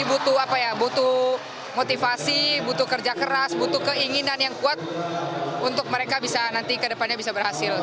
butuh apa ya butuh motivasi butuh kerja keras butuh keinginan yang kuat untuk mereka bisa nanti ke depannya bisa berhasil